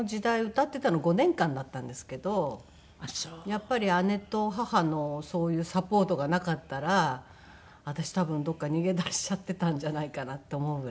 やっぱり姉と母のそういうサポートがなかったら私多分どこか逃げ出しちゃっていたんじゃないかなって思うぐらい。